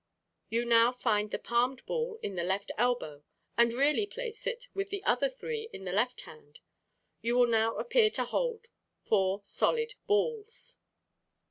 You now find the palmed ball at the left elbow and really place it with the other three in the left hand. You will now appear to hold four solid balls.